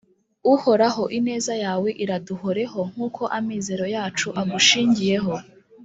Uhoraho ineza yawe iraduhoreho nkuko amizero yacu agushingiyeho